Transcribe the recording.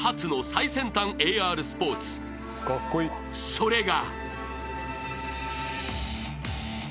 ［それが］